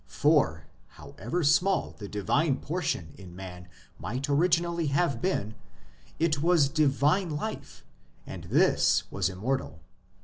For, however small the divine portion in man might originally have been, it was divine life, and this was immortal.